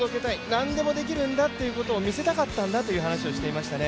何でもできるんだっていうことを見せたかったんだということを話してましたね。